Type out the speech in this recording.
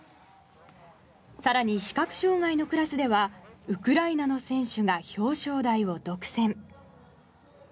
更に、視覚障害のクラスではウクライナの選手が表彰台を独占。